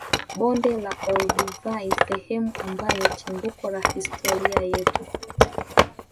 Bonde la olduvai sehemu ambayo chimbuko la historia yetu